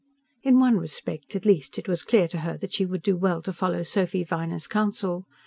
In one respect, at least, it was clear to her that she would do well to follow Sophy Viner's counsel.